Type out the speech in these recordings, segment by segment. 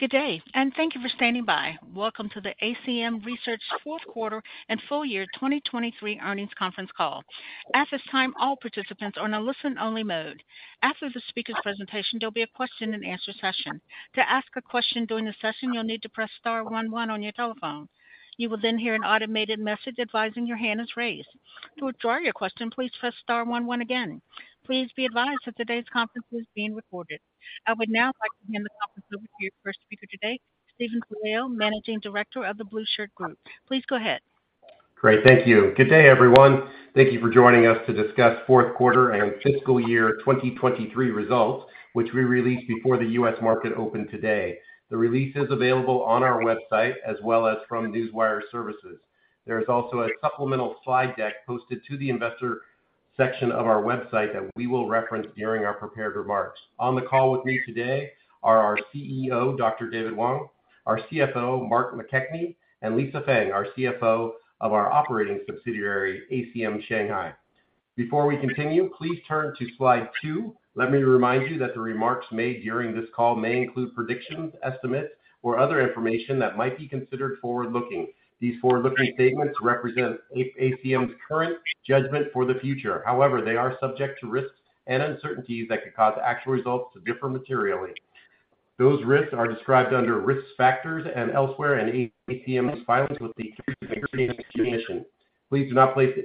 Good day, and thank you for standing by. Welcome to the ACM Research fourth quarter and full year 2023 earnings conference call. At this time, all participants are in a listen-only mode. After the speaker's presentation, there'll be a question-and-answer session. To ask a question during the session, you'll need to press * one one on your telephone. You will then hear an automated message advising your hand is raised. To withdraw your question, please press * one one again. Please be advised that today's conference is being recorded. I would now like to hand the conference over to your first speaker today, Steven Pelayo, Managing Director of The Blueshirt Group. Please go ahead. Great. Thank you. Good day, everyone. Thank you for joining us to discuss fourth quarter and fiscal year 2023 results, which we released before the U.S. market opened today. The release is available on our website as well as from Newswire Services. There is also a supplemental slide deck posted to the investor section of our website that we will reference during our prepared remarks. On the call with me today are our CEO, Dr. David Wang, our CFO, Mark McKechnie, and Lisa Feng, our CFO of our operating subsidiary, ACM Shanghai. Before we continue, please turn to slide 2. Let me remind you that the remarks made during this call may include predictions, estimates, or other information that might be considered forward-looking. These forward-looking statements represent ACM's current judgment for the future. However, they are subject to risks and uncertainties that could cause actual results to differ materially. Those risks are described under Risk Factors and elsewhere in ACM's filings with the Securities and Exchange Commission. Please do not place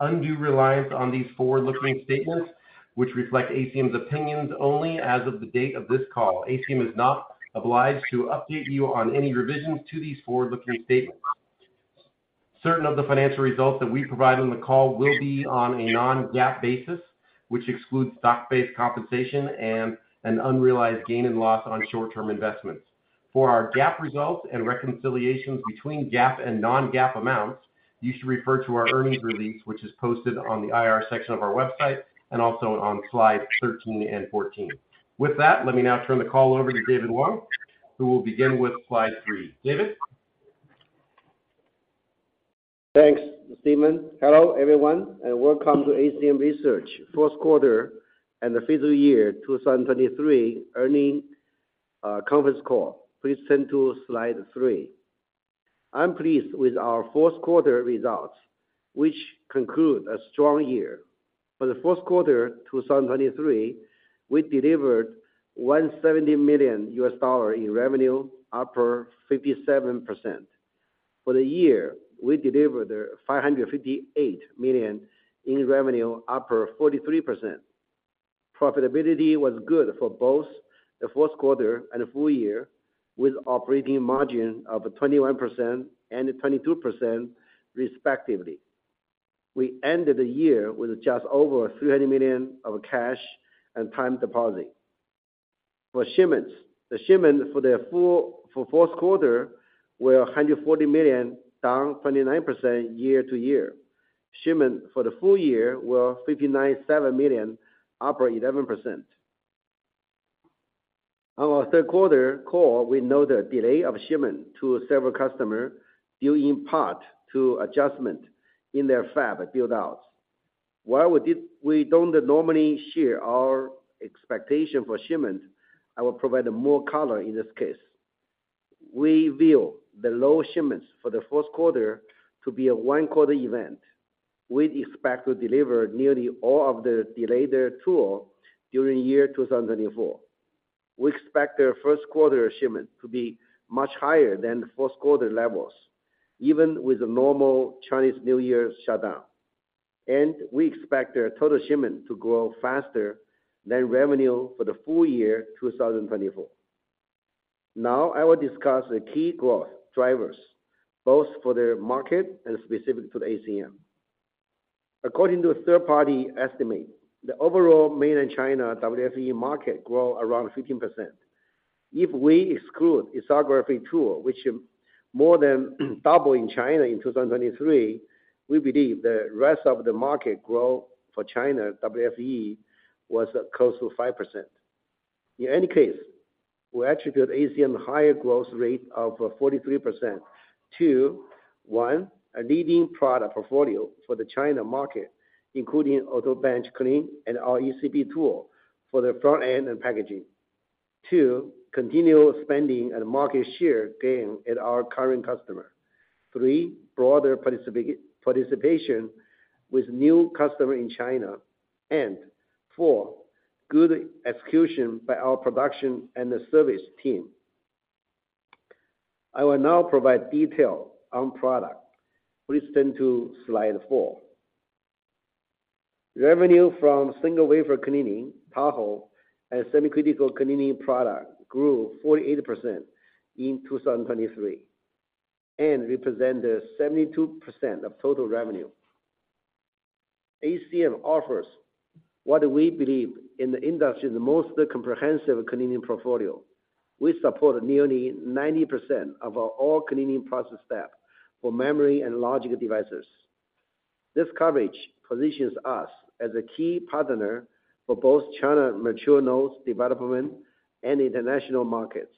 undue reliance on these forward-looking statements, which reflect ACM's opinions only as of the date of this call. ACM is not obliged to update you on any revisions to these forward-looking statements. Certain of the financial results that we provide on the call will be on a non-GAAP basis, which excludes stock-based compensation and an unrealized gain and loss on short-term investments. For our GAAP results and reconciliations between GAAP and non-GAAP amounts, you should refer to our earnings release, which is posted on the IR section of our website and also on slides 13 and 14. With that, let me now turn the call over to David Wang, who will begin with slide 3. David? Thanks, Steven. Hello, everyone, and welcome to ACM Research fourth quarter and the fiscal year 2023 earnings conference call. Please turn to slide 3. I'm pleased with our fourth quarter results, which conclude a strong year. For the fourth quarter 2023, we delivered $170 million in revenue, up 57%. For the year, we delivered $558 million in revenue, up 43%. Profitability was good for both the fourth quarter and the full year, with operating margin of 21% and 22%, respectively. We ended the year with just over $300 million of cash and time deposits. For shipments. The shipments for fourth quarter were $140 million, down 29% year-over-year. Shipments for the full year were $597 million, up 11%. On our third quarter call, we noted the delay of shipment to several customers, due in part to adjustment in their fab buildouts. We don't normally share our expectation for shipments, I will provide more color in this case. We view the low shipments for the fourth quarter to be a one-quarter event. We'd expect to deliver nearly all of the delayed tool during year 2024. We expect their first quarter shipment to be much higher than the fourth quarter levels, even with the normal Chinese New Year shutdown. And we expect their total shipment to grow faster than revenue for the full year 2024. Now, I will discuss the key growth drivers, both for the market and specific to the ACM. According to a third-party estimate, the overall Mainland China WFE market grow around 15%. If we exclude lithography tool, which more than double in China in 2023, we believe the rest of the market growth for China, WFE, was close to 5%. In any case, we attribute ACM higher growth rate of 43% to, one, a leading product portfolio for the China market, including Auto Bench Clean and our ECP tool for the front-end and packaging. Two, continued spending and market share gain at our current customer. Three, broader participation with new customer in China. And four, good execution by our production and the service team. I will now provide detail on product. Please turn to slide 4. Revenue from single wafer cleaning, Tahoe and semi-critical cleaning product grew 48% in 2023 and represent the 72% of total revenue. ACM offers what we believe in the industry, the most comprehensive cleaning portfolio. We support nearly 90% of all our cleaning process steps for memory and logic devices. This coverage positions us as a key partner for both China mature nodes development and international markets.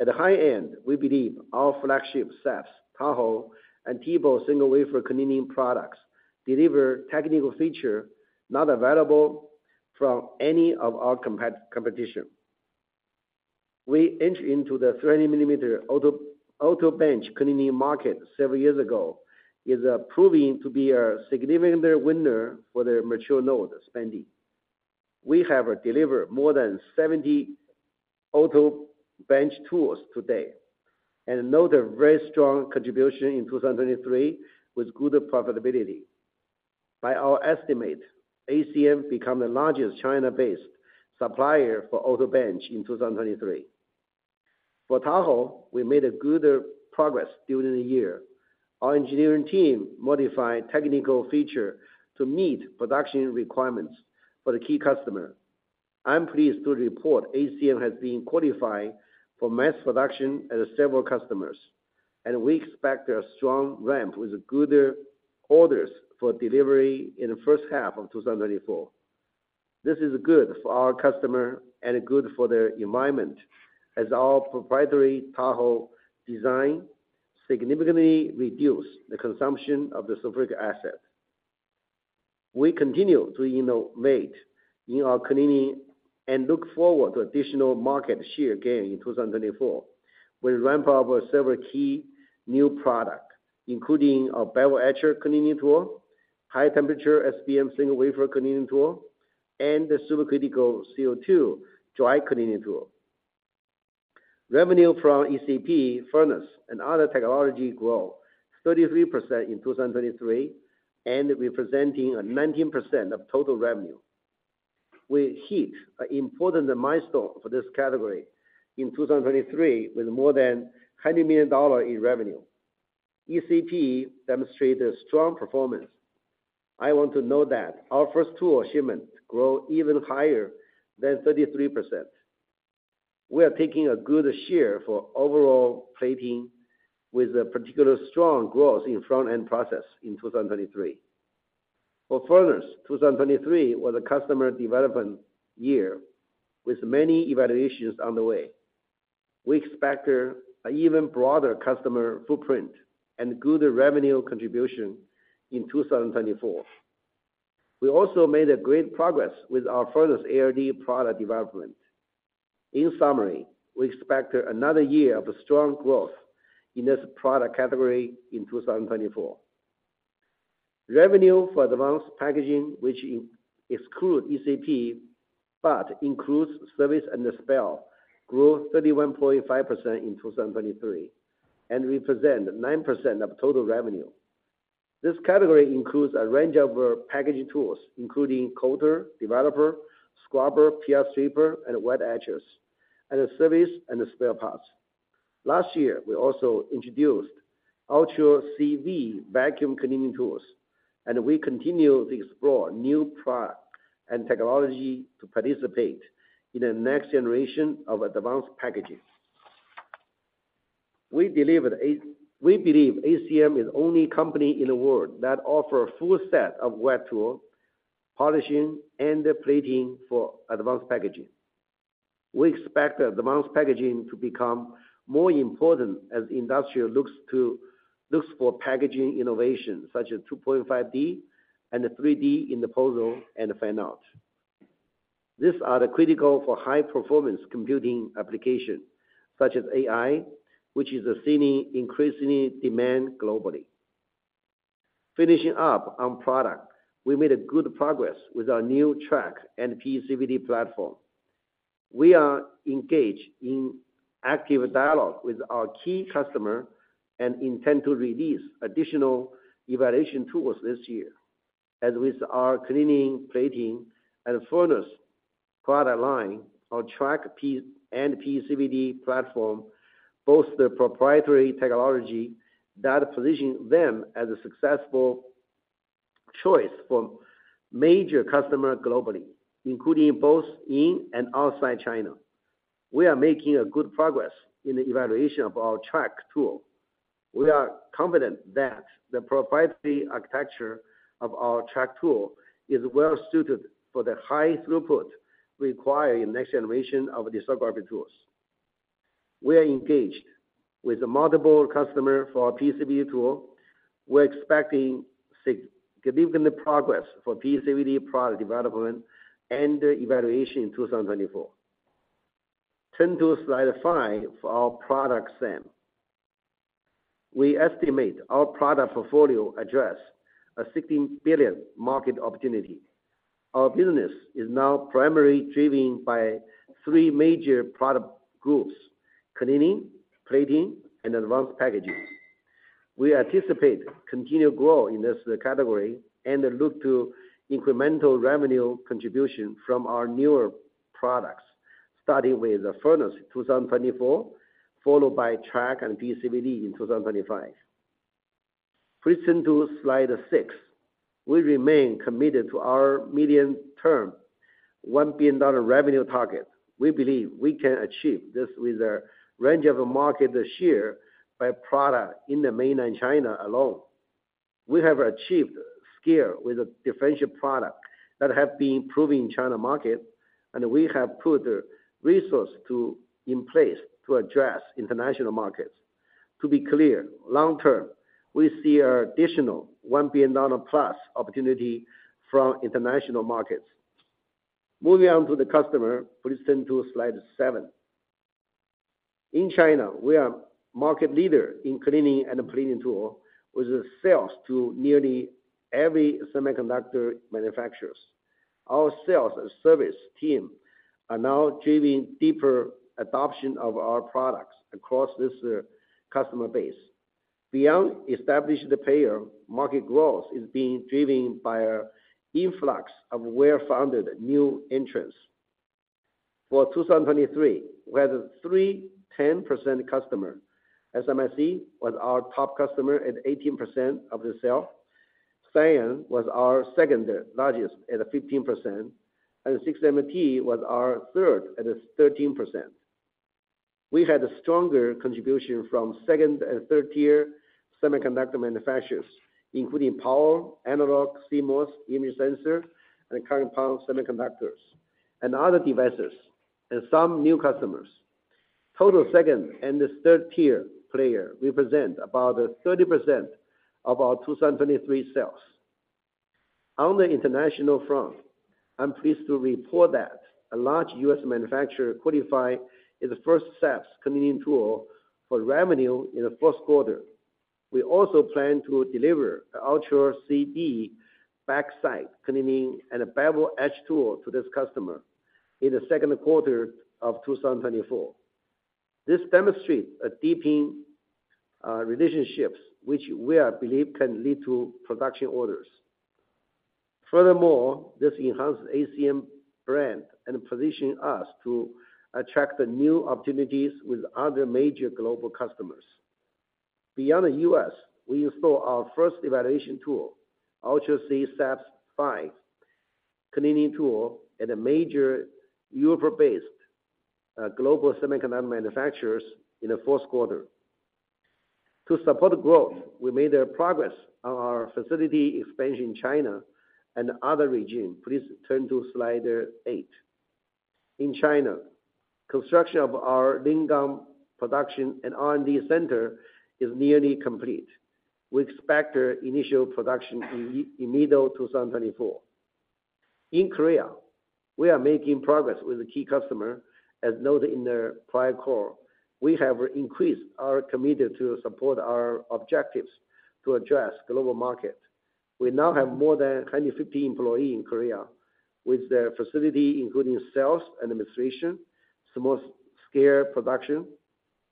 At the high end, we believe our flagship SAPS, Tahoe, and TEBO single wafer cleaning products deliver technical features not available from any of our competition. We entered into the 300 millimeter auto bench cleaning market several years ago, is proving to be a significant winner for the mature node spending. We have delivered more than 70 auto bench tools to date, and another very strong contribution in 2023, with good profitability. By our estimate, ACM became the largest China-based supplier for auto bench in 2023. For Tahoe, we made good progress during the year. Our engineering team modified technical feature to meet production requirements for the key customer. I'm pleased to report ACM has been qualified for mass production at several customers, and we expect a strong ramp with good orders for delivery in the first half of 2024. This is good for our customer and good for the environment, as our proprietary Tahoe design significantly reduce the consumption of the sulfuric acid. We continue to innovate in our cleaning, and look forward to additional market share gain in 2024. We ramp up several key new product, including a Bevel Etcher cleaning tool, high temperature SPM single wafer cleaning tool, and the supercritical CO2 dry cleaning tool. Revenue from ECP, furnace, and other technology grow 33% in 2023, and representing 19% of total revenue. We hit an important milestone for this category in 2023, with more than $100 million in revenue. ECP demonstrated strong performance. I want to note that our first tool shipment grow even higher than 33%. We are taking a good share for overall plating, with a particular strong growth in front-end process in 2023. For furnace, 2023 was a customer development year, with many evaluations underway. We expect an even broader customer footprint and good revenue contribution in 2024. We also made a great progress with our furnace ALD product development. In summary, we expect another year of strong growth in this product category in 2024. Revenue for advanced packaging, which exclude ECP, but includes service and spare, grew 31.5% in 2023, and represent 9% of total revenue. This category includes a range of packaging tools, including coater, developer, scrubber, PR stripper, and wet etchers, and service and spare parts. Last year, we also introduced Ultra C vacuum cleaning tools, and we continue to explore new product and technology to participate in the next generation of advanced packaging. We believe ACM is the only company in the world that offer a full set of wet tool, polishing, and plating for advanced packaging. We expect advanced packaging to become more important as the industry looks for packaging innovation, such as 2.5D and 3D in the package and fan-out. These are the critical for high-performance computing applications, such as AI, which is seeing increasing demand globally. Finishing up on products, we made good progress with our new Track and PECVD platform. We are engaged in active dialogue with our key customers and intend to release additional evaluation tools this year. As with our cleaning, plating, and furnace product line, our Track and PECVD platform, both the proprietary technology that position them as a successful choice for major customers globally, including both in and outside China. We are making good progress in the evaluation of our Track tool. We are confident that the proprietary architecture of our Track tool is well-suited for the high throughput required in next generation of advanced fab tools. We are engaged with multiple customers for PECVD tool. We're expecting significant progress for PECVD product development and evaluation in 2024. Turn to slide 5 for our product SAM. We estimate our product portfolio addresses a $16 billion market opportunity. Our business is now primarily driven by three major product groups: cleaning, plating, and advanced packaging. We anticipate continued growth in this category and look to incremental revenue contribution from our newer products, starting with the furnace in 2024, followed by track and PECVD in 2025. Please turn to slide 6. We remain committed to our medium-term $1 billion revenue target. We believe we can achieve this with a range of market share by product in the Mainland China alone. We have achieved scale with a differentiated product that have been proven in China market, and we have put resources in place to address international markets... To be clear, long term, we see an additional $1 billion plus opportunity from international markets. Moving on to the customer, please turn to Slide 7. In China, we are market leader in cleaning and cleaning tool, with the sales to nearly every semiconductor manufacturers. Our sales and service team are now driving deeper adoption of our products across this, customer base. Beyond established player, market growth is being driven by an influx of well-funded new entrants. For 2023, we had three 10% customers. SMIC was our top customer at 18% of the sales. Hua Hong was our second largest at 15%, and SK Hynix was our third at 13%. We had a stronger contribution from second and third-tier semiconductor manufacturers, including power, analog, CMOS, image sensor, and compound semiconductors, and other devices, and some new customers. the second and this third-tier player represent about 30% of our 2023 sales. On the international front, I'm pleased to report that a large U.S. manufacturer qualified our first-step cleaning tool for revenue in the first quarter. We also plan to deliver the Ultra C ECP backside cleaning and a bevel edge tool to this customer in the second quarter of 2024. This demonstrates a deepening relationships which we believe can lead to production orders. Furthermore, this enhances ACM brand and positioning us to attract the new opportunities with other major global customers. Beyond the U.S., we installed our first evaluation tool, Ultra C SAPS V cleaning tool, at a major Europe-based global semiconductor manufacturer in the fourth quarter. To support growth, we made progress on our facility expansion in China and other regions. Please turn to Slide 8. In China, construction of our Lingang production and R&D center is nearly complete. We expect initial production in mid-2024. In Korea, we are making progress with a key customer. As noted in the prior call, we have increased our commitment to support our objectives to address global market. We now have more than 150 employees in Korea, with the facility, including sales and administration, small-scale production,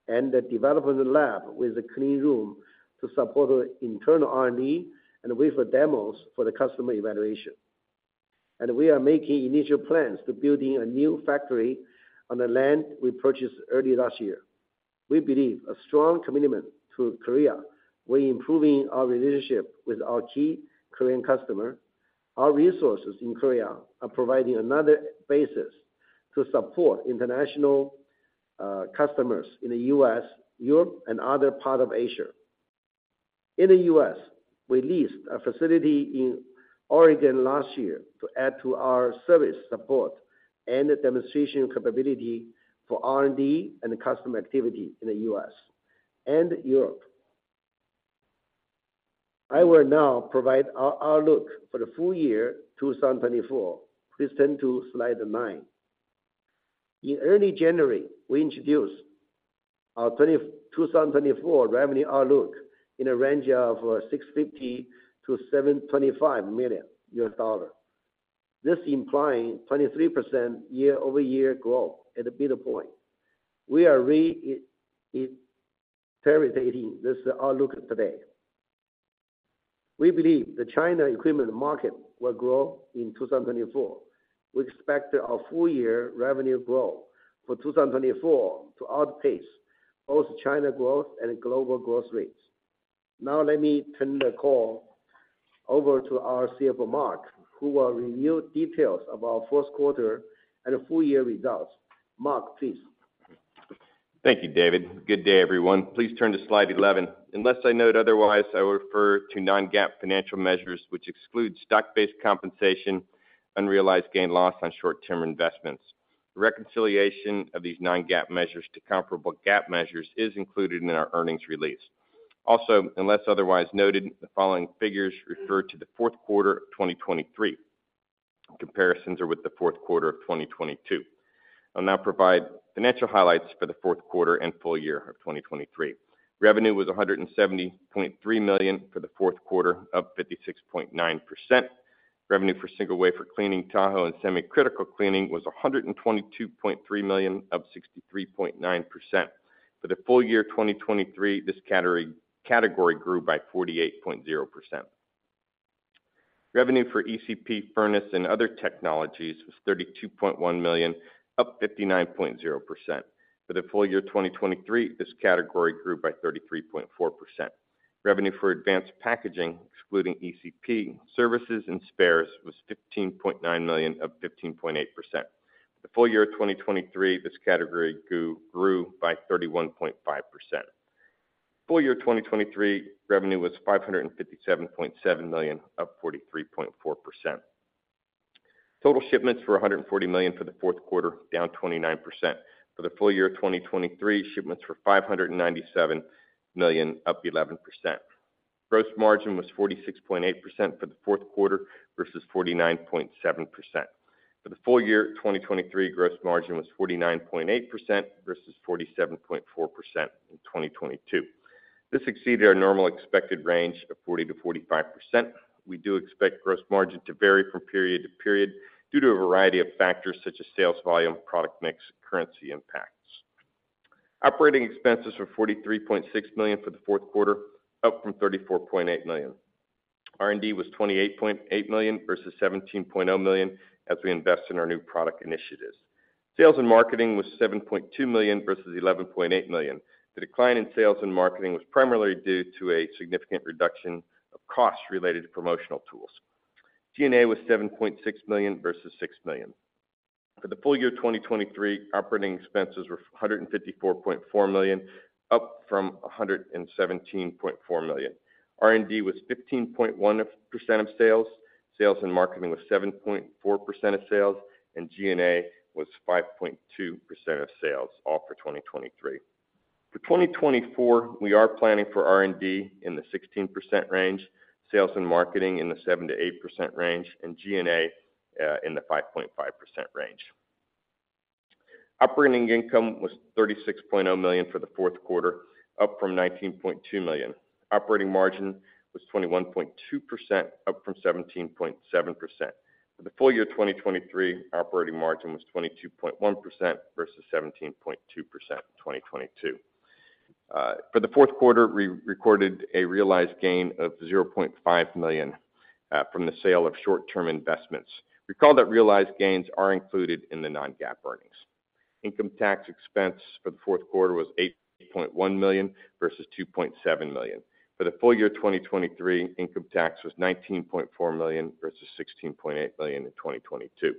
and the development lab with a clean room to support the internal R&D and with demos for the customer evaluation. We are making initial plans to build a new factory on the land we purchased early last year. We believe a strong commitment to Korea, we're improving our relationship with our key Korean customer. Our resources in Korea are providing another basis to support international customers in the U.S., Europe, and other parts of Asia. In the U.S., we leased a facility in Oregon last year to add to our service support and demonstration capability for R&D and customer activity in the U.S. and Europe. I will now provide our outlook for the full year 2024. Please turn to Slide 9. In early January, we introduced our 2024 revenue outlook in a range of $650 million-$725 million. This implying 23% year-over-year growth at a better point. We are reiterating this outlook today. We believe the China equipment market will grow in 2024. We expect our full year revenue growth for 2024 to outpace both China growth and global growth rates. Now let me turn the call over to our CFO, Mark, who will review details of our fourth quarter and full year results. Mark, please. Thank you, David. Good day, everyone. Please turn to Slide 11. Unless I note otherwise, I will refer to non-GAAP financial measures, which exclude stock-based compensation, unrealized gain loss on short-term investments. Reconciliation of these non-GAAP measures to comparable GAAP measures is included in our earnings release. Also, unless otherwise noted, the following figures refer to the fourth quarter of 2023. Comparisons are with the fourth quarter of 2022. I'll now provide financial highlights for the fourth quarter and full year of 2023. Revenue was $170.3 million for the fourth quarter, up 56.9%. Revenue for single wafer cleaning, Tahoe and semi-critical cleaning, was $122.3 million, up 63.9%. For the full year 2023, this category, category grew by 48.0%. Revenue for ECP, furnace, and other technologies was $32.1 million, up 59.0%. For the full year 2023, this category grew by 33.4%. Revenue for advanced packaging, excluding ECP, services and spares, was $15.9 million, up 15.8%. For the full year 2023, this category grew by 31.5%. Full year 2023, revenue was $557.7 million, up 43.4%. Total shipments were $140 million for the fourth quarter, down 29%. For the full year 2023, shipments were $597 million, up 11%. Gross margin was 46.8% for the fourth quarter versus 49.7%. For the full year 2023, gross margin was 49.8% versus 47.4% in 2022. This exceeded our normal expected range of 40%-45%. We do expect gross margin to vary from period to period due to a variety of factors such as sales volume, product mix, currency impacts. Operating expenses were $43.6 million for the fourth quarter, up from $34.8 million. R&D was $28.8 million versus $17.0 million as we invest in our new product initiatives. Sales and marketing was $7.2 million versus $11.8 million. The decline in sales and marketing was primarily due to a significant reduction of costs related to promotional tools. G&A was $7.6 million versus $6 million. For the full year 2023, operating expenses were $154.4 million, up from $117.4 million. R&D was 15.1% of sales, sales and marketing was 7.4% of sales, and G&A was 5.2% of sales, all for 2023. For 2024, we are planning for R&D in the 16% range, sales and marketing in the 7%-8% range, and G&A in the 5.5% range. Operating income was $36.0 million for the fourth quarter, up from $19.2 million. Operating margin was 21.2%, up from 17.7%. For the full year 2023, operating margin was 22.1% versus 17.2% in 2022. For the fourth quarter, we recorded a realized gain of $0.5 million from the sale of short-term investments. Recall that realized gains are included in the non-GAAP earnings. Income tax expense for the fourth quarter was $8.1 million versus $2.7 million. For the full year 2023, income tax was $19.4 million versus $16.8 million in 2022.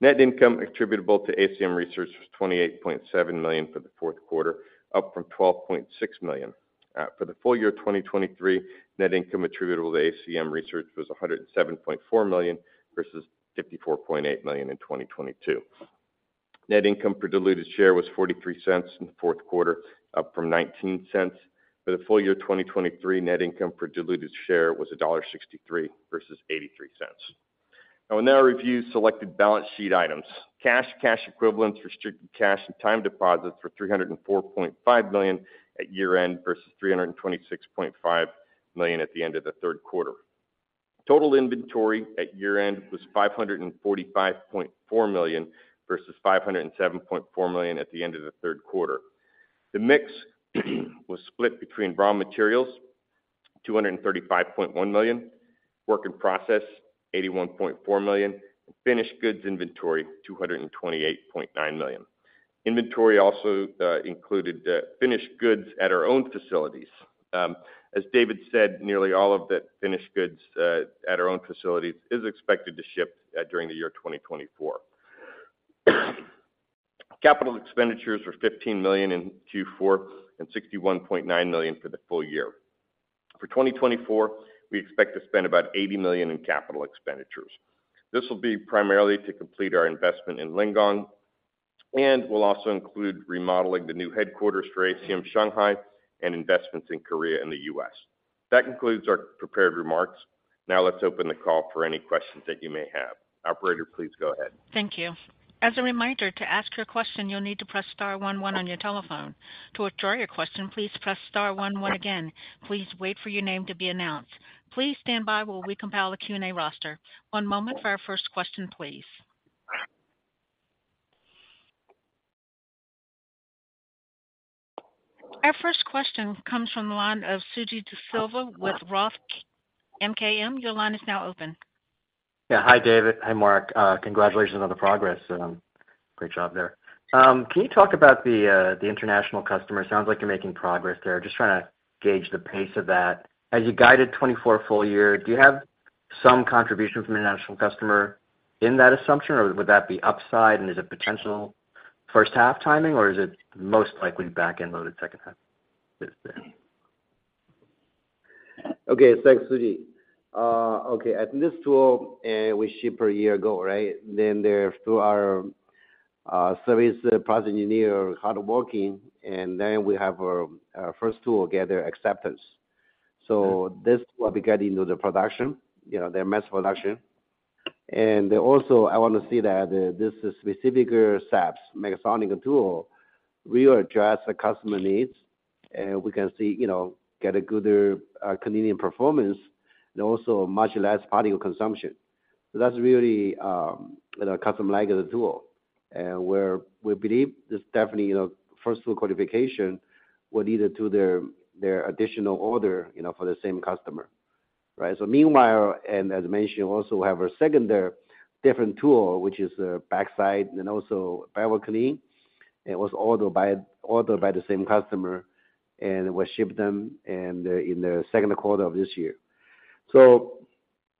Net income attributable to ACM Research was $28.7 million for the fourth quarter, up from $12.6 million. For the full year 2023, net income attributable to ACM Research was $107.4 million versus $54.8 million in 2022. Net income per diluted share was $0.43 in the fourth quarter, up from $0.19. For the full year 2023, net income per diluted share was $1.63 versus $0.83. I will now review selected balance sheet items. Cash, cash equivalents, restricted cash and time deposits were $304.5 million at year-end versus $326.5 million at the end of the third quarter. Total inventory at year-end was $545.4 million versus $507.4 million at the end of the third quarter. The mix was split between raw materials, $235.1 million, work in process, $81.4 million, and finished goods inventory, $228.9 million. Inventory also included finished goods at our own facilities. As David said, nearly all of the finished goods at our own facilities is expected to ship during the year 2024. Capital expenditures were $15 million in Q4 and $61.9 million for the full year. For 2024, we expect to spend about $80 million in capital expenditures. This will be primarily to complete our investment in Lingang, and will also include remodeling the new headquarters for ACM Shanghai and investments in Korea and the U.S. That concludes our prepared remarks. Now, let's open the call for any questions that you may have. Operator, please go ahead. Thank you. As a reminder, to ask your question, you'll need to press * one one on your telephone. To withdraw your question, please press * one one again. Please wait for your name to be announced. Please stand by while we compile a Q&A roster. One moment for our first question, please. Our first question comes from the line of Sujit Siva with Roth MKM. Your line is now open. Yeah. Hi, David. Hi, Mark. Congratulations on the progress, great job there. Can you talk about the, the international customer? Sounds like you're making progress there. Just trying to gauge the pace of that. As you guided 2024 full year, do you have some contribution from an international customer in that assumption, or would that be upside and is it potential first half timing, or is it most likely back-end loaded second half this then? Okay, thanks, Sujit. Okay, at this tool, we shipped a year ago, right? Then, through our service parts engineer, hard working, and then we have our first tool get their acceptance. So this will be getting into the production, you know, their mass production. And also, I want to say that this specific SPM megasonic tool, we address the customer needs, and we can see, you know, get a good cleaning performance and also much less particle consumption. So that's really the customer like the tool, and we believe this definitely, you know, first full qualification will lead to their additional order, you know, for the same customer, right? So meanwhile, and as mentioned, we also have a second, different tool, which is the backside and also barrel clean. It was ordered by the same customer, and we ship them and in the second quarter of this year. So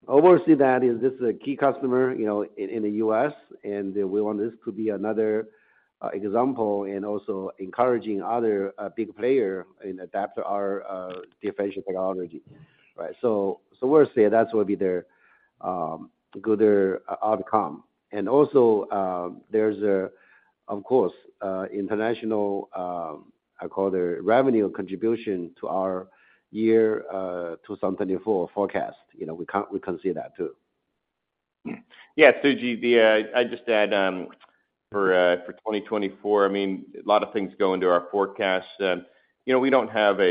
obviously that is, this is a key customer, you know, in the U.S., and we want this to be another example and also encouraging other big player in adapt to our differential technology, right? So we'll say that will be the-... good outcome. And also, there's a, of course, international, I call the revenue contribution to our year, 2024 forecast. You know, we can, we can see that too. Yeah, Sujit, I just add for 2024, I mean, a lot of things go into our forecast. You know, we don't have a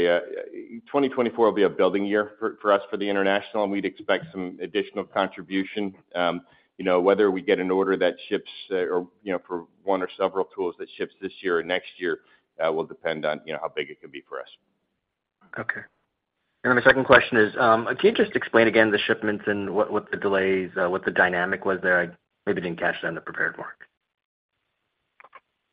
2024 will be a building year for us for the international, and we'd expect some additional contribution. You know, whether we get an order that ships or for one or several tools that ships this year or next year will depend on how big it can be for us. Okay. And then the second question is, can you just explain again the shipments and what the delays, what the dynamic was there? I maybe didn't catch that in the prepared remarks.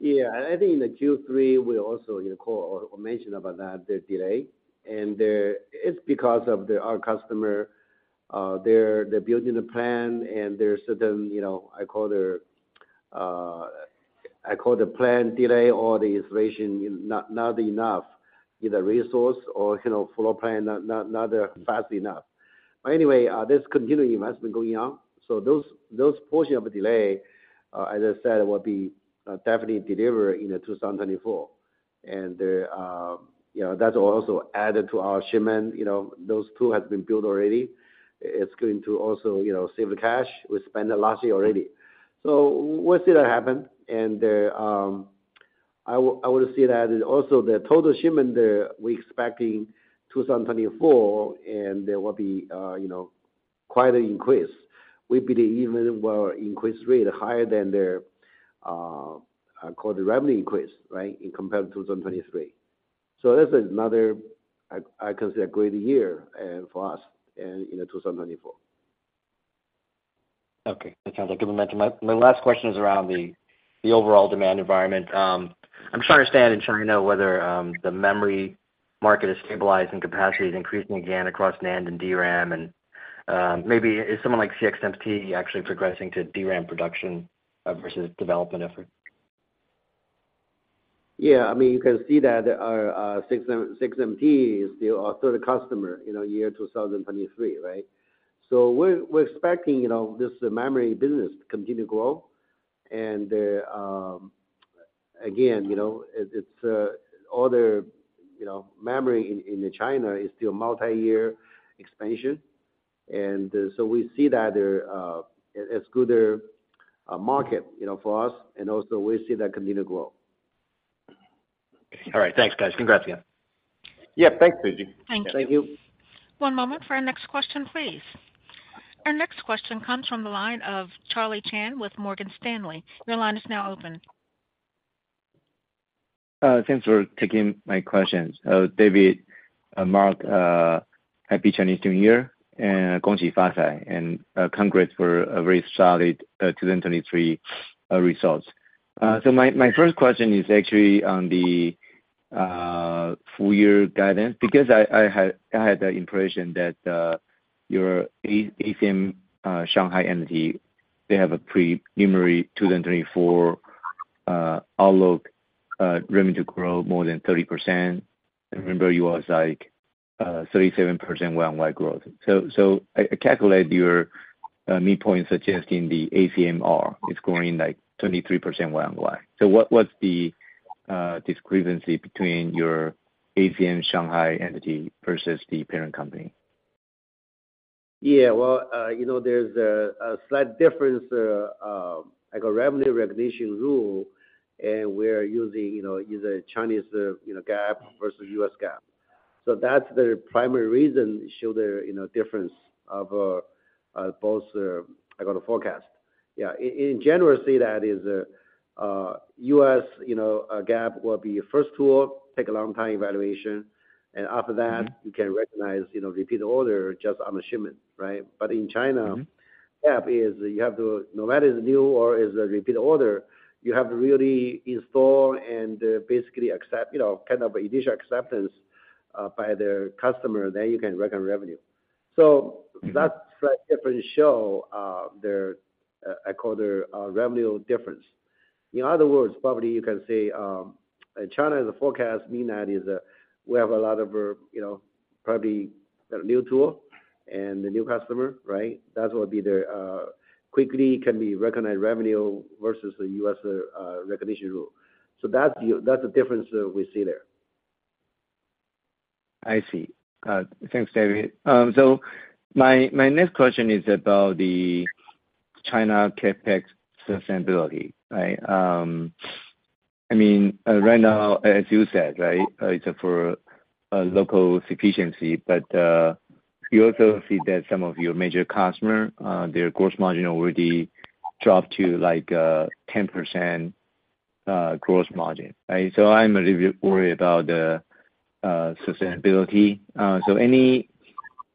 Yeah, I think in the Q3, we also, you know, call or mention about that, the delay. And there, it's because of the our customer, they're building a plan, and there are certain, you know, I call the plan delay or the installation, not fast enough. But anyway, this continuing investment going on. So those portion of the delay, as I said, will be definitely delivered in 2024. And there, you know, that's also added to our shipment. You know, those two have been built already. It's going to also, you know, save the cash. We spent it last year already. So we'll see that happen. There, I would say that also, the total shipment we expecting 2024, and there will be, you know, quite an increase. We believe even our increase rate higher than the quarter revenue increase, right? In compared to 2023. So this is another. I consider a great year for us in 2024. Okay, that sounds like a good momentum. My last question is around the overall demand environment. I'm trying to understand in China whether the memory market is stabilizing, capacity is increasing again across NAND and DRAM, and maybe is someone like CXMT actually progressing to DRAM production versus development effort? Yeah, I mean, you can see that our CXMT is still our third customer, you know, year 2023, right? So we're expecting, you know, this memory business to continue to grow. And again, you know, it's all the memory in China is still multi-year expansion. And so we see that as good market, you know, for us, and also we see that continue to grow. All right. Thanks, guys. Congrats again. Yeah, thanks, Suji. Thank you. Thank you. One moment for our next question, please. Our next question comes from the line of Charlie Chan with Morgan Stanley. Your line is now open. Thanks for taking my questions. David, Mark, happy Chinese New Year, and Gong Xi Fa Cai, and congrats for a very solid 2023 results. So my first question is actually on the full year guidance, because I had the impression that your ACM Shanghai entity they have a preliminary 2024 outlook, revenue to grow more than 30%. I remember you was like 37% year-on-year growth. So I calculate your midpoint suggesting the ACMR is growing, like, 23% year-on-year. So what's the discrepancy between your ACM Shanghai entity versus the parent company? Yeah, well, you know, there's a slight difference, like a revenue recognition rule, and we're using, you know, using Chinese GAAP versus U.S. GAAP. So that's the primary reason show the, you know, difference of both, I call it, forecast. Yeah, in general, say that is U.S., you know, GAAP will be your first tool, take a long time evaluation, and after that- Mm-hmm. - you can recognize, you know, repeat order just on the shipment, right? But in China- Mm-hmm. GAAP is you have to, no matter it's new or it's a repeat order, you have to really install and basically accept, you know, kind of initial acceptance by the customer, then you can recognize revenue. So that slight difference show the, I call the revenue difference. In other words, probably you can say, China, the forecast mean that is we have a lot of, you know, probably new tool and the new customer, right? That's what be the quickly can be recognized revenue versus the U.S. recognition rule. So that's the, that's the difference we see there. I see. Thanks, David. So my next question is about the China CapEx sustainability, right? I mean, right now, as you said, right, it's for local sufficiency, but you also see that some of your major customer their gross margin already dropped to, like, 10% gross margin, right? So I'm a little bit worried about the sustainability. So any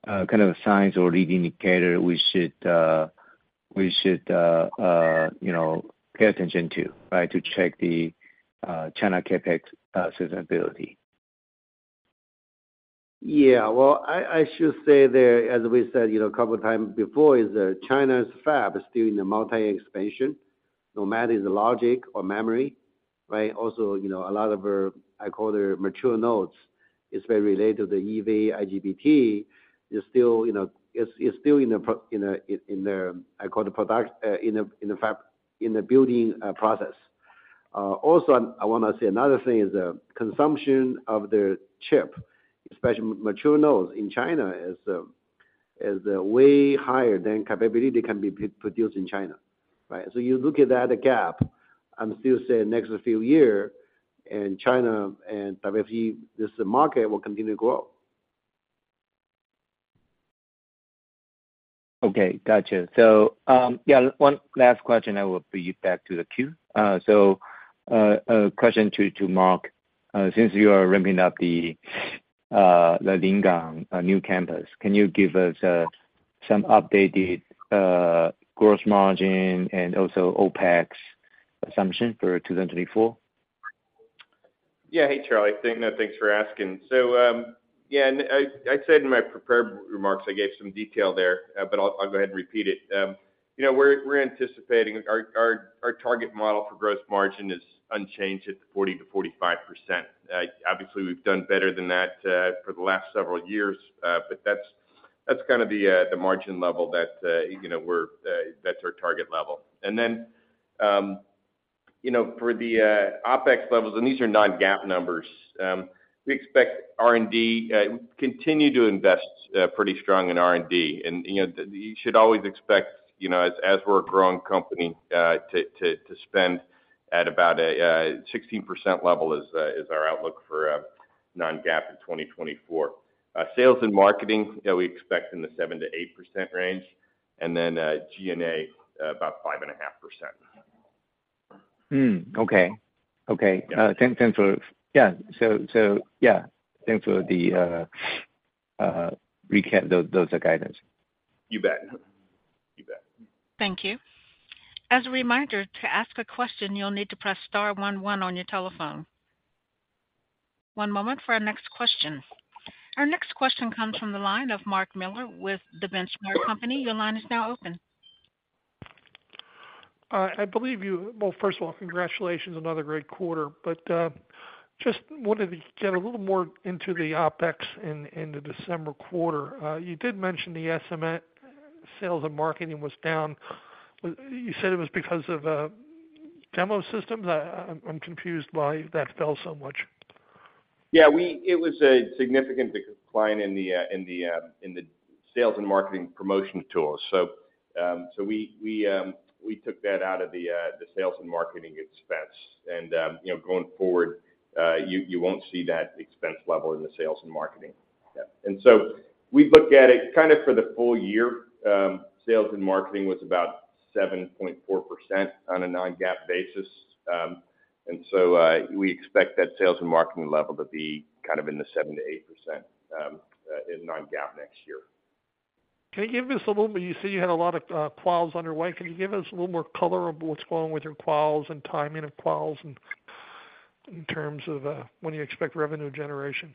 kind of signs or lead indicator we should you know, pay attention to, right? To check the China CapEx sustainability. Yeah. Well, I should say that, as we said, you know, a couple times before, is that China's fab is still in the multi expansion, no matter the logic or memory. Right? Also, you know, a lot of our, I call them mature nodes, is very related to the EV IGBT is still, you know, is still in the production, I call it, in the fab building process. Also, I wanna say another thing is the consumption of the chip, especially mature nodes in China, is way higher than capability can be produced in China, right? So you look at that gap and still say next few year in China and obviously this market will continue to grow. Okay, gotcha. So, yeah, one last question, I will bring you back to the queue. So, a question to Mark. Since you are ramping up the Lingang new campus, can you give us some updated gross margin and also OPEX assumption for 2024? Yeah. Hey, Charlie, thanks for asking. So, yeah, and I said in my prepared remarks, I gave some detail there, but I'll go ahead and repeat it. You know, we're anticipating our target model for gross margin is unchanged at 40%-45%. Obviously, we've done better than that for the last several years, but that's kind of the margin level that you know, that's our target level. And then, you know, for the OpEx levels, and these are non-GAAP numbers, we expect R&D continue to invest pretty strong in R&D. You know, you should always expect, you know, as we're a growing company, to spend at about a 16% level is our outlook for non-GAAP in 2024. Sales and marketing, yeah, we expect in the 7%-8% range, and then, G&A, about 5.5%. Hmm, okay. Okay. Yeah. Thanks for the recap. Yeah, so thanks for the recap. Those are guidance. You bet. You bet. Thank you. As a reminder, to ask a question, you'll need to press * one one on your telephone. One moment for our next question. Our next question comes from the line of Mark Miller with the Benchmark Company. Your line is now open. I believe you. Well, first of all, congratulations, another great quarter. But just wanted to get a little more into the OpEx in the December quarter. You did mention the SM, sales and marketing was down. You said it was because of demo systems? I'm confused why that fell so much. Yeah, we-- It was a significant decline in the sales and marketing promotion tools. So, we took that out of the sales and marketing expense. And, you know, going forward, you won't see that expense level in the sales and marketing. Yeah. And so we look at it kind of for the full year, sales and marketing was about 7.4% on a Non-GAAP basis. And so, we expect that sales and marketing level to be kind of in the 7%-8% in Non-GAAP next year. Can you give us a little, you said you had a lot of quals underway? Can you give us a little more color on what's going with your quals and timing of quals and in terms of when you expect revenue generation?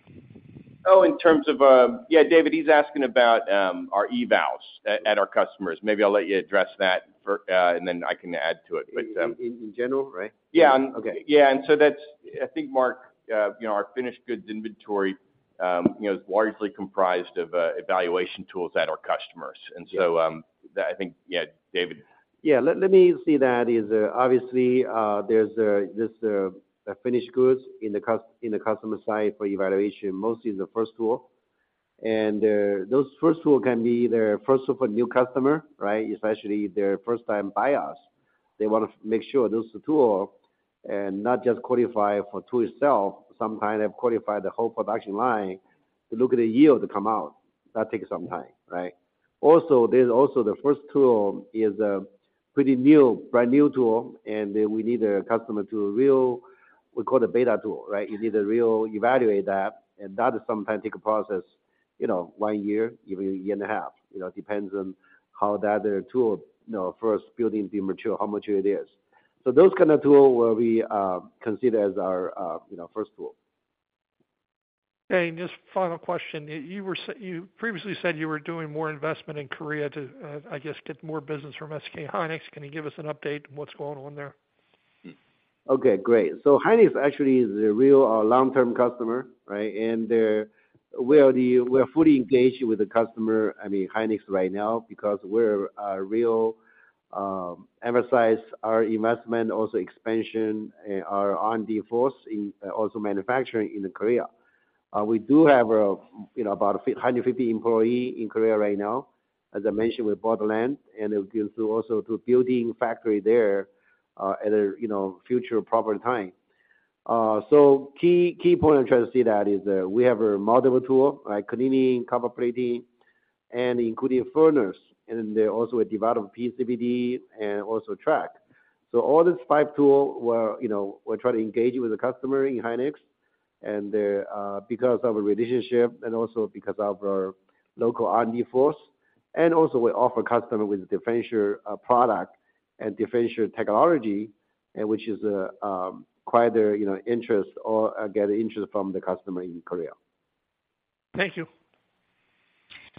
Oh, in terms of, yeah, David, he's asking about our evals at our customers. Maybe I'll let you address that for, and then I can add to it. But, In general, right? Yeah. Okay. Yeah, and so that's, I think, Mark, you know, our finished goods inventory, you know, is largely comprised of evaluation tools at our customers. Yeah. And so, I think... Yeah, David. Yeah. Let me say that is obviously there's this finished goods in the customer side for evaluation, mostly in the first tool. And those first tool can be either, first of all, new customer, right? Especially if they're first time buyers, they want to make sure those tool and not just qualify for tool itself, some kind of qualify the whole production line to look at the yield to come out. That takes some time, right? Also, there's also the first tool is a pretty new, brand new tool, and then we need a customer to really, we call it a beta tool, right? You need to really evaluate that, and that is sometimes take a process, you know, one year, even a year and a half. You know, it depends on how the other tool, you know, first building be mature, how mature it is. So those kind of tool will be considered as our, you know, first tool. Okay, and just final question. You previously said you were doing more investment in Korea to, I guess, get more business from SK Hynix. Can you give us an update on what's going on there? Okay, great. So Hynix actually is a real, long-term customer, right? And they're—we're fully engaged with the customer, I mean, Hynix right now, because we're a real, emphasize our investment, also expansion, our R&D force in, also manufacturing in the Korea. We do have a, you know, about 150 employee in Korea right now. As I mentioned, we bought the land, and it will give to also to building factory there, you know, future proper time. So key, key point I'm trying to say that is, we have a multiple tool, like cleaning, copper plating, and including furnace, and then there also a development PECVD and also Track. So all these five tools we're, you know, trying to engage with the customer in SK Hynix, and they're because of our relationship and also because of our local R&D force, and also we offer customer with differential product and differential technology, and which is quite a, you know, interest or get interest from the customer in Korea. Thank you....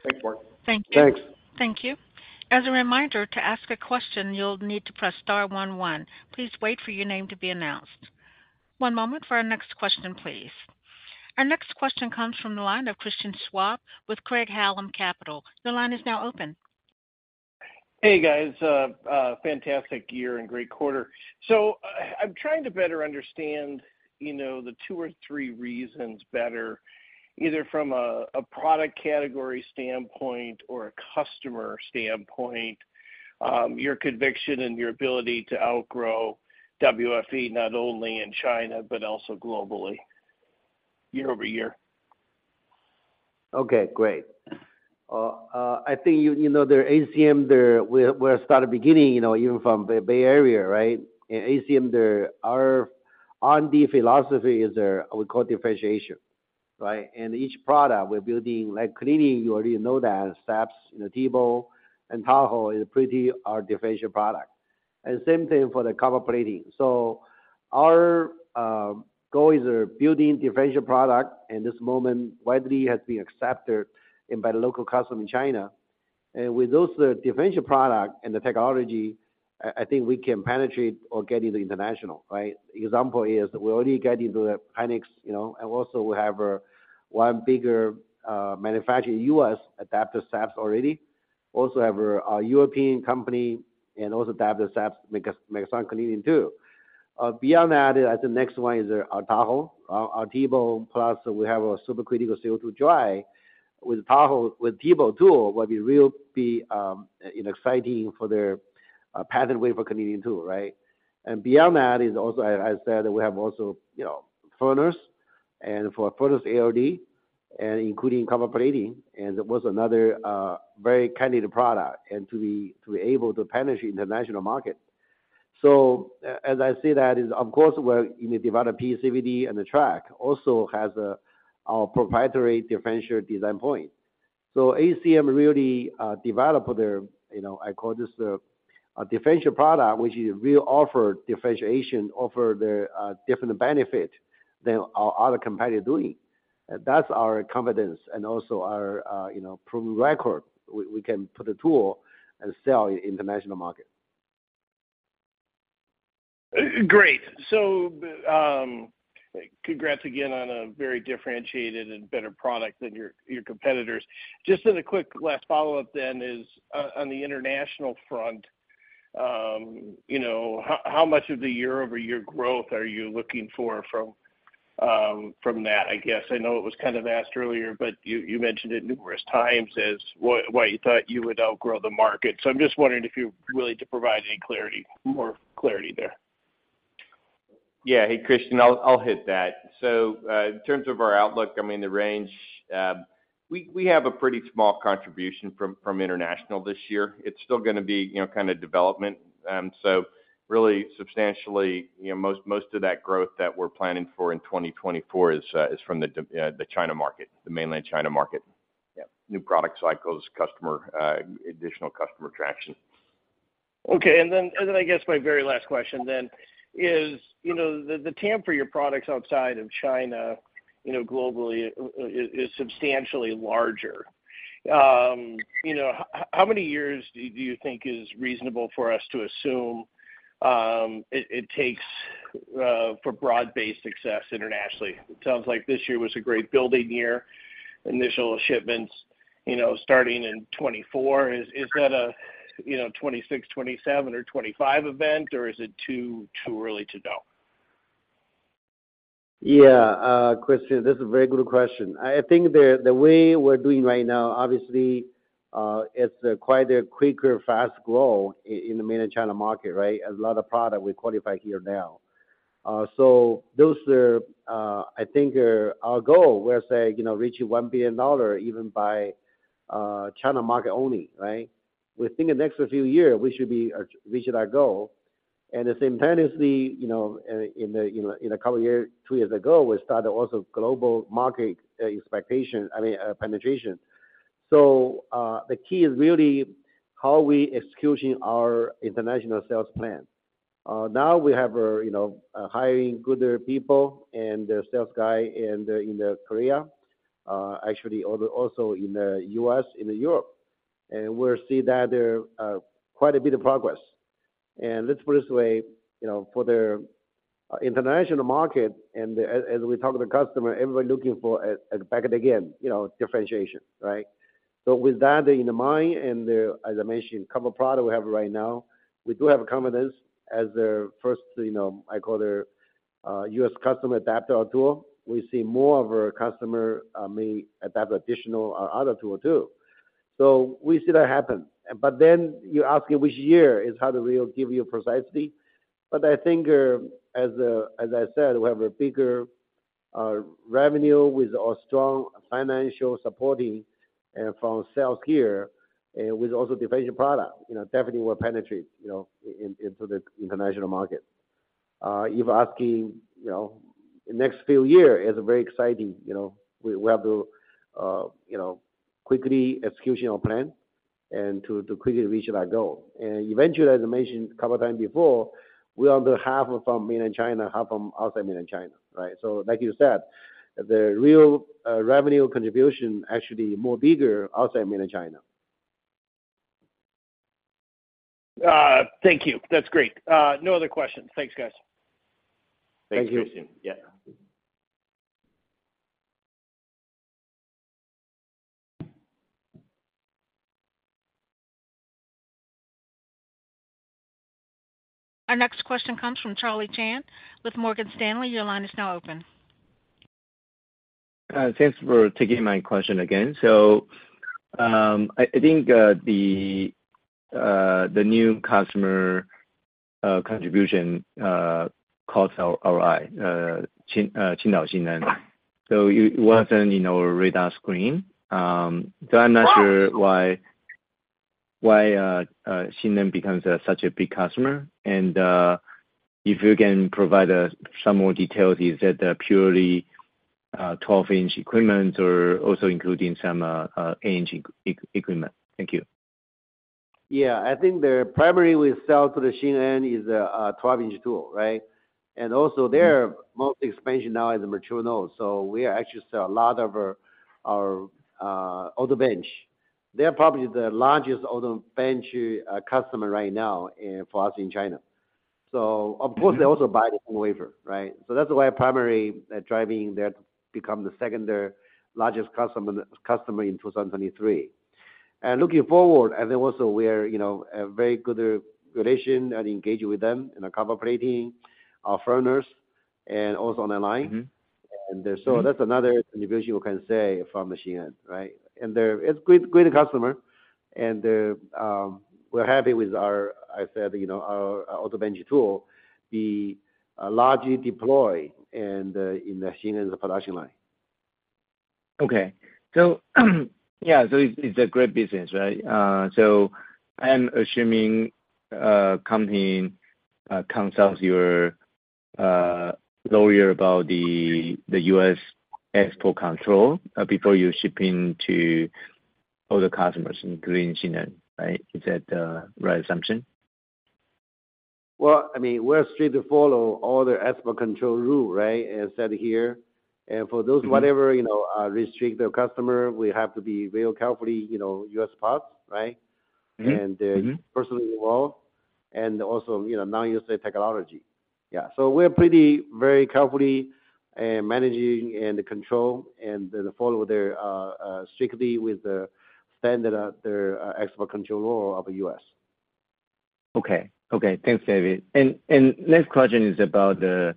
Thanks, Mark. Thank you. Thanks. Thank you. As a reminder, to ask a question, you'll need to press * one one. Please wait for your name to be announced. One moment for our next question, please. Our next question comes from the line of Christian Schwab with Craig-Hallum Capital. Your line is now open. Hey, guys. Fantastic year and great quarter. So I'm trying to better understand, you know, the two or three reasons better, either from a product category standpoint or a customer standpoint, your conviction and your ability to outgrow WFE, not only in China but also globally, year-over-year. Okay, great. I think you know the ACM there, where I started beginning, you know, even from Bay Area, right? In ACM, the philosophy is there, we call differentiation, right? And each product we're building, like cleaning, you already know that SAPS, you know, TEBO and Tahoe is pretty our differential product. And same thing for the copper plating. So our goals are building differential product, and at this moment, widely has been accepted by the local customer in China. And with those differential product and the technology, I think we can penetrate or get into international, right? Example is we already get into the Panasonic, you know, and also we have a major manufacturer, U.S. adopter SAPS already. Also have a European company and also adopter SAPS, making a single cleaning too. Beyond that, I think the next one is our Tahoe. Our TEBO, plus we have a supercritical CO2 dry. With Tahoe, with TEBO tool, will be really, you know, exciting for their patterned wafer cleaning tool, right? Beyond that, I said we have also, you know, furnace. And for furnace, ALD, and including copper plating, and there was another very candidate product, and to be able to penetrate international market. So as I say that is, of course, we're developing PECVD and the Track also has our proprietary differential design point. So ACM really developed their, you know, I call this a differential product, which really offers differentiation, offers the different benefit than our other competitor doing. That's our confidence and also our proven record. We can put a tool and sell in international market. Great. So, congrats again on a very differentiated and better product than your competitors. Just in a quick last follow-up then, is on the international front, you know, how much of the year-over-year growth are you looking for from that? I guess I know it was kind of asked earlier, but you mentioned it numerous times as what you thought you would outgrow the market. So I'm just wondering if you're willing to provide any clarity, more clarity there. Yeah. Hey, Christian, I'll hit that. So, in terms of our outlook, I mean, the range, we have a pretty small contribution from international this year. It's still gonna be, you know, kind of development. So really substantially, you know, most of that growth that we're planning for in 2024 is from the China market, the Mainland China market. Yeah, new product cycles, customer additional customer traction. Okay. And then I guess my very last question is, you know, the TAM for your products outside of China, you know, globally, is substantially larger. You know, how many years do you think is reasonable for us to assume it takes for broad-based success internationally? It sounds like this year was a great building year. Initial shipments, you know, starting in 2024. Is that a, you know, 2026, 2027 or 2025 event, or is it too early to know? Yeah, Christian, this is a very good question. I think the way we're doing right now, obviously, it's quite a quicker, fast growth in the mainland China market, right? A lot of product we qualify here now. So those are, I think, are our goal, where, say, you know, reaching $1 billion even by China market only, right? We think the next few years, we should be reaching our goal, and simultaneously, you know, a couple of years ago, we started also global market expectation, I mean, penetration. So the key is really how we executing our international sales plan. Now we have a, you know, hiring gooder people and a sales guy in the Korea, actually, also in the U.S., in Europe. We'll see that quite a bit of progress. Let's put it this way, you know, for the international market, and as we talk to the customer, everybody looking for back again, you know, differentiation, right? So with that in mind, and as I mentioned, core product we have right now, we do have confidence as their first, you know, I call it their U.S. customer adopter or tool. We see more of our customer may adopt additional or other tool too. So we see that happen. But then you ask me which year is, how do we give you precisely? But I think, as I said, we have a bigger revenue with our strong financial supporting from sales here, with also differential product, you know, definitely will penetrate, you know, into the international market. If asking, you know, next few year is a very exciting, you know, we have to, you know, quickly execution our plan and to quickly reach that goal. And eventually, as I mentioned a couple times before, we under half from mainland China, half from outside mainland China, right? So like you said, the real revenue contribution actually more bigger outside mainland China. Thank you. That's great. No other questions. Thanks, guys. Thank you. Thanks, Christian. Yeah. Our next question comes from Charlie Chan with Morgan Stanley. Your line is now open. Thanks for taking my question again. So, I think the new customer contribution caught our eye, SiEn. So it wasn't in our radar screen. So I'm not sure why SiEn becomes such a big customer. And if you can provide some more details, is that purely 12-inch equipment or also including some 8-inch equipment? Thank you. Yeah, I think the primary we sell to the Xinhong is a, a 12-inch tool, right? And also, their most expansion now is a Mature Node. So we are actually sell a lot of our, our, Auto Bench. They're probably the largest Auto Bench customer right now for us in China. So of course, they also buy from wafer, right? So that's why primary driving that become the second largest customer, customer in 2023. And looking forward, and then also we are, you know, a very good relation and engage with them in a copper plating furnace and also online. Mm-hmm. So that's another indication, as they say, from the Xinhong, right? And they're a great, great customer, and we're happy with, as I said, you know, our Auto Bench tool being largely deployed and in the Xinhong's production line. Okay. So yeah, so it's a great business, right? So I'm assuming consulting your counsel, your lawyer about the U.S. export control before you ship into all the customers, including Xinhong, right? Is that the right assumption? Well, I mean, we're straight to follow all the export control rule, right? As said here. And for those- Mm-hmm.... whatever, you know, restrict the customer, we have to be very carefully, you know, U.S., parts, right? Mm-hmm. Mm-hmm. And, personally involved, and also, you know, non-USA technology. Yeah, so we are pretty very carefully managing and control, and then follow their strictly with the standard, the export control law of the U.S. Okay. Okay, thanks, David. Next question is about the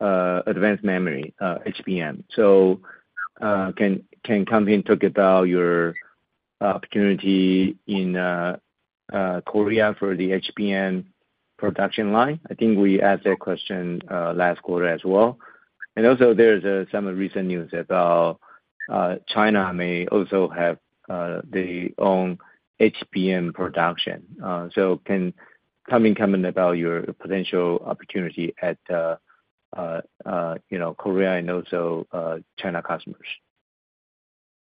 advanced memory, HBM. So, can you comment on your opportunity in Korea for the HBM production line? I think we asked that question last quarter as well. And also there's some recent news about China may also have their own HBM production. So, can you comment on your potential opportunity, you know, in Korea and also China customers.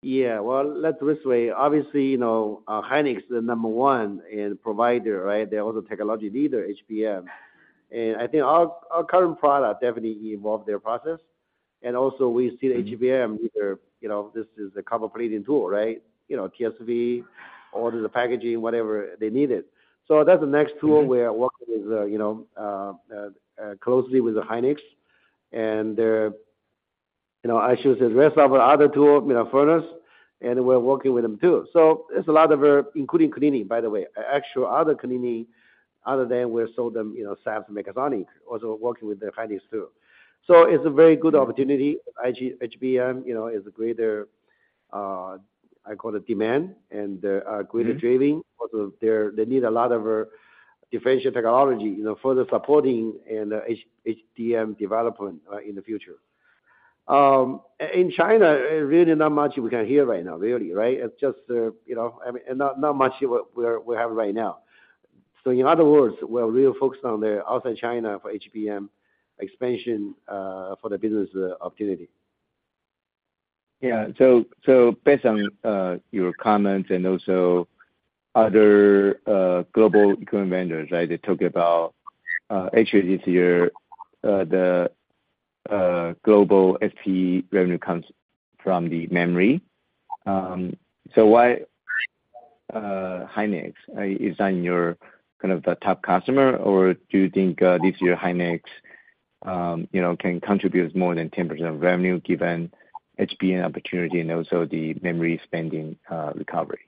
Yeah, well, let's this way. Obviously, you know, Hynix, the number one in provider, right? They're also technology leader, HBM. And I think our, our current product definitely involve their process. And also we see the HBM- Mm-hmm.... either, you know, this is a copper plating tool, right? You know, TSV or the packaging, whatever they needed. So that's the next tool- Mm-hmm.... we are working with, you know, closely with the Hynix and their, you know, I should say rest of our other tool, you know, furnace, and we're working with them too. So there's a lot of, including cleaning, by the way, actual other cleaning other than we sold them, you know, SAPS megasonic, also working with the Hynix too. So it's a very good opportunity. HBM, you know, is a greater, I call it, demand and, greater- Mm-hmm... driving. Also, they're - they need a lot of differential technology, you know, further supporting and HBM development in the future. In China, really not much we can hear right now, really, right? It's just, you know, I mean, not much we have right now. So in other words, we're really focused on the outside China for HBM expansion for the business opportunity. Yeah. So based on your comments and also other global current vendors, right? They talk about actually this year the global FT revenue comes from the memory. So why Hynix is on your kind of the top customer? Or do you think this year Hynix you know can contribute more than 10% of revenue given HBM opportunity and also the memory spending recovery?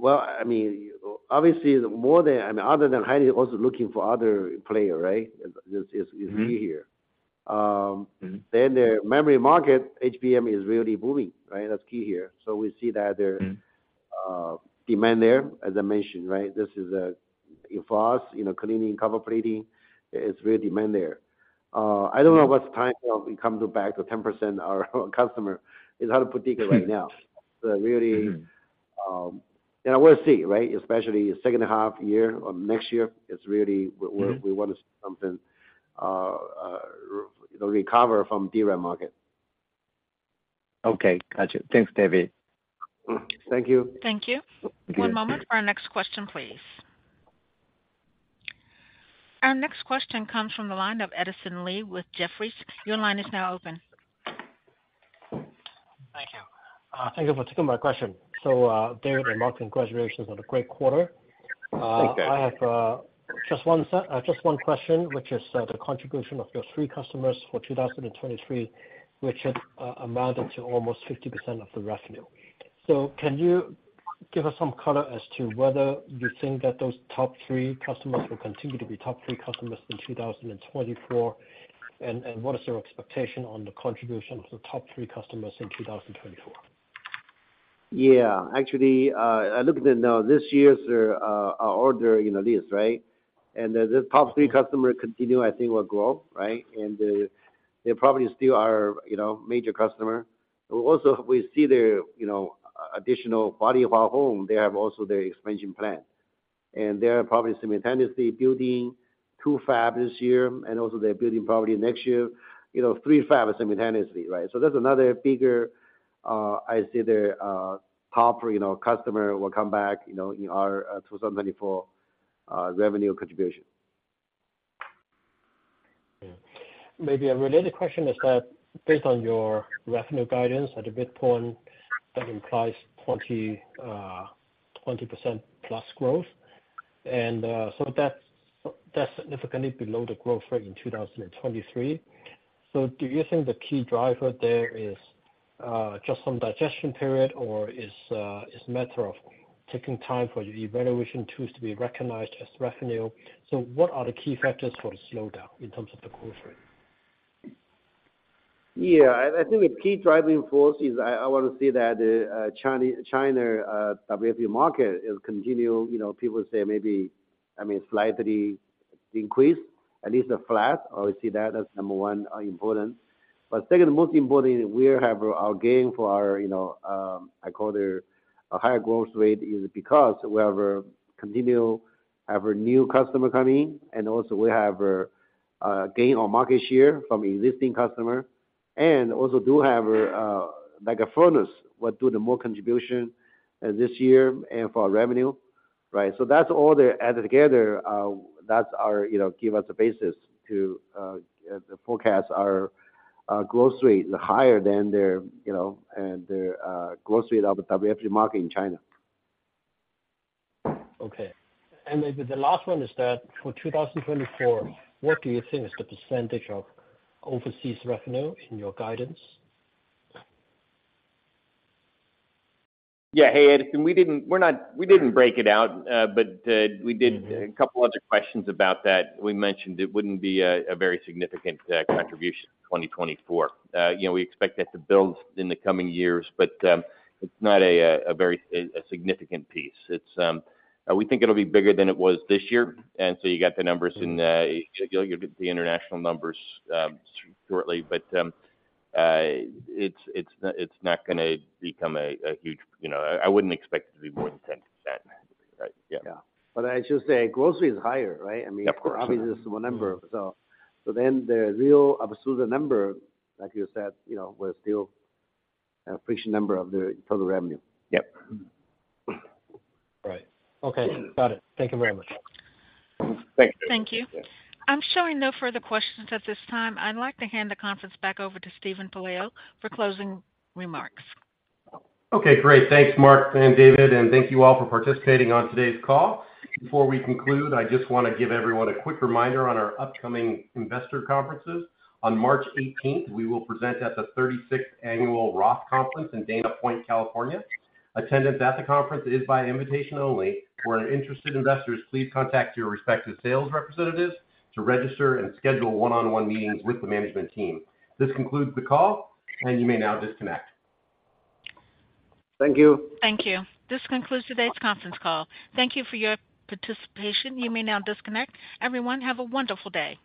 Well, I mean, obviously, more than, I mean, other than Hynix, also looking for other player, right? Is key here. Mm-hmm. Then the memory market, HBM, is really booming, right? That's key here. So we see that there- Mm-hmm demand there, as I mentioned, right? This is, for us, you know, cleaning copper plating, it's really demand there. I don't know what's time it comes back to 10%, our customer is how particular right now. So really- Mm-hmm... and we'll see, right? Especially second half year or next year, it's really where- Mm-hmm. We want to see something recover from DRAM market. Okay, gotcha. Thanks, David. Thank you. Thank you. One moment for our next question, please. Our next question comes from the line of Edison Lee with Jefferies. Your line is now open. Thank you. Thank you for taking my question. So, David and Mark, congratulations on a great quarter. Thanks, guys. I have just one question, which is, the contribution of your three customers for 2023, which had amounted to almost 50% of the revenue. So can you give us some color as to whether you think that those top three customers will continue to be top three customers in 2024? And, and what is your expectation on the contribution of the top three customers in 2024? Yeah, actually, I looked at this year's our order, you know, list, right? The top three customer continue, I think, will grow, right? They're probably still our, you know, major customer. Also, we see their, you know, an additional body of our home, they have also their expansion plan. They are probably simultaneously building 2 fabs this year, and also they're building probably next year, you know, 3 fabs simultaneously, right? So that's another bigger, I see their top, you know, customer will come back, you know, in our 2024 revenue contribution. Yeah. Maybe a related question is that, based on your revenue guidance at a midpoint, that implies 20, 20% plus growth. And, so that's, that's significantly below the growth rate in 2023. So do you think the key driver there is, just some digestion period or is, is a matter of taking time for your evaluation tools to be recognized as revenue? So what are the key factors for the slowdown in terms of the growth rate? Yeah, I think the key driving force is I want to see that the China WFE market is continue, you know, people say maybe, I mean, slightly increase, at least a flat. I see that as number one important. But second, most importantly, we have our gain for our, you know, I call it a higher growth rate, is because we continue to have a new customer coming, and also we have a gain on market share from existing customer, and also do have a like a furnace what do the more contribution this year and for our revenue, right? So that's all the added together, that's our, you know, give us a basis to forecast our growth rate higher than the, you know, the growth rate of the WFE market in China. Okay. And maybe the last one is that for 2024, what do you think is the percentage of overseas revenue in your guidance? Yeah. Hey, Edison, we didn't... we're not... we didn't break it out, but we did- Mm-hmm. A couple other questions about that. We mentioned it wouldn't be a very significant contribution in 2024. You know, we expect that to build in the coming years, but it's not a very significant piece. It's we think it'll be bigger than it was this year, and so you got the numbers in... You'll get the international numbers shortly, but it's not gonna become a huge, you know, I wouldn't expect it to be more than 10%, right? Yeah. Yeah. But I should say, growth is higher, right? I mean- Of course. Obviously, it's one number. So then the real absolute number, like you said, you know, we're still a fixed number of the total revenue. Yep. Right. Okay, got it. Thank you very much. Thanks. Thank you. I'm showing no further questions at this time. I'd like to hand the conference back over to Steven Pelayo for closing remarks. Okay, great. Thanks, Mark and David, and thank you all for participating on today's call. Before we conclude, I just want to give everyone a quick reminder on our upcoming investor conferences. On March 18, we will present at the 36th Annual Roth Conference in Dana Point, California. Attendance at the conference is by invitation only. For our interested investors, please contact your respective sales representatives to register and schedule one-on-one meetings with the management team. This concludes the call, and you may now disconnect. Thank you. Thank you. This concludes today's conference call. Thank you for your participation. You may now disconnect. Everyone, have a wonderful day.